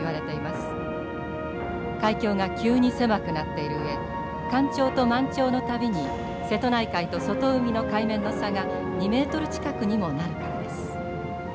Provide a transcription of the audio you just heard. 海峡が急に狭くなっているうえ干潮と満潮の度に瀬戸内海と外海の海面の差が２ｍ近くにもなるからです。